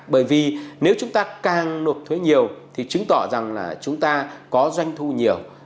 bởi vì nếu chúng ta càng nộp thuế nhiều thì chứng tỏ rằng là chúng ta có doanh thu nhiều